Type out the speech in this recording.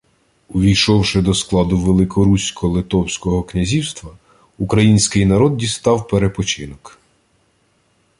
Увійшовши до складу Великого Русько-Литовського князівства, український народ дістав перепочинок